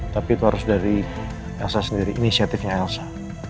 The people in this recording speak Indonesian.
tapi itu harus dari elsa sendiri inisiatifnya elsa